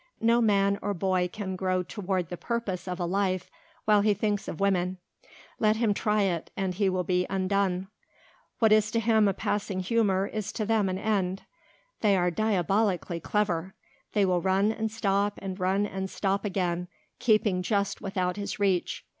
No man or boy can grow toward the purpose of a life while he thinks of women. Let him try it and he will be undone. What is to him a passing humour is to them an end. They are diabolically clever. They will run and stop and run and stop again, keeping just without his reach.